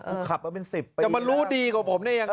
เออขับมาเป็นสิบไปอีกแล้วจะมารู้ดีกว่าผมได้ยังไง